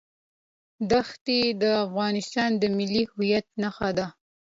دښتې د افغانستان د ملي هویت نښه ده.